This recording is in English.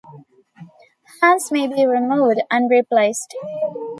Hands may be removed and replaced.